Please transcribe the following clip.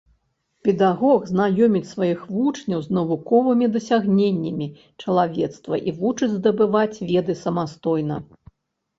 Педагог знаёміць сваіх вучняў з навуковымі дасягненнямі чалавецтва і вучыць здабываць веды самастойна.